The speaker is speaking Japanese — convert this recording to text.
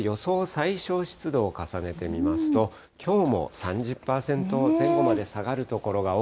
最小湿度を重ねてみますと、きょうも３０％前後まで下がる所